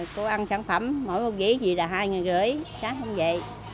cô ăn sản phẩm mỗi bộ ghế gì là hai năm trăm linh sáng không dậy